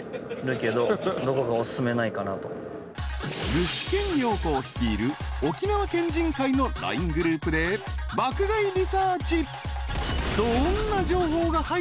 ［具志堅用高率いる沖縄県人会のＬＩＮＥグループで爆買いリサーチ］